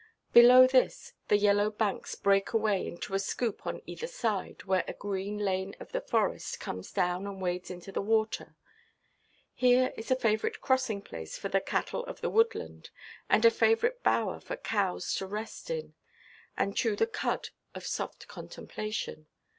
Below this, the yellow banks break away into a scoop on either side, where a green lane of the forest comes down and wades into the water. Here is a favourite crossing–place for the cattle of the woodland, and a favourite bower for cows to rest in, and chew the cud of soft contemplation.